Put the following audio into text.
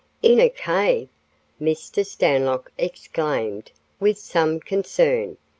"In a cave!" Mr. Stanlock exclaimed with some concern.